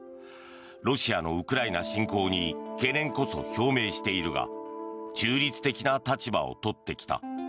ロシアのウクライナ侵攻に懸念こそ表明しているが中立的な立場を取ってきた。